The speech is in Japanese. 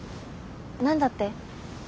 何だって？